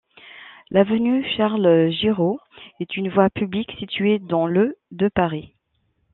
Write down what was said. L'avenue Charles-Girault est une voie publique située dans le de Paris.